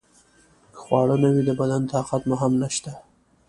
که خواړه نه وي د بدن طاقت مو هم نشته.